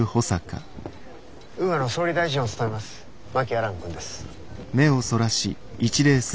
ウーアの総理大臣を務めます真木亜蘭君です。